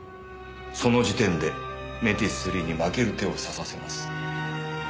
その時点でＭＥＴｉＳⅢに負ける手を指させます。